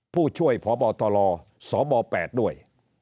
ผู้ช่วยพบตลสบ๘ด้วย